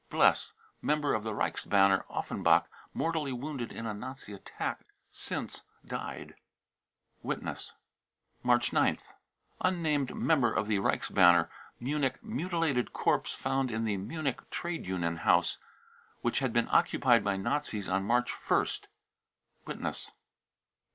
bless, member of the Reichsbanner, Offenbach, mortally wounded in a Nazi attack, since died. (Witness.) March 9th. unnamed member of the reichsbanner, Munich, mutilated corpse found in the Munich Trade Union House, which had been occupied by Nazis on March 1st. (Witness.)